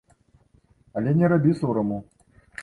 Але не рабі сораму.